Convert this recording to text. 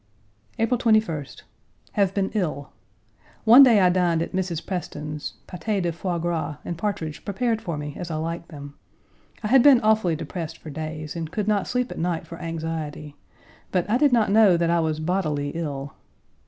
April 21st. Have been ill. One day I dined at Mrs. Preston's, pâté de foie gras and partridge prepared for me as I like them. I had been awfully depressed for days and could not sleep at night for anxiety, but I did not know that I was bodily ill.